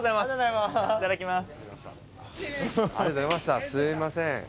すいません。